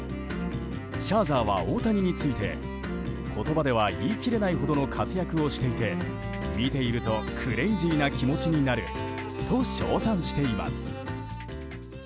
シャーザーは大谷について言葉では言い切れないほどの活躍をしていて、見ているとクレイジーな気持ちになると称賛しています。